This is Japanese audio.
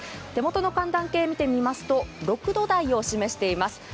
手元の寒暖計を見てみますと６度台を示しています。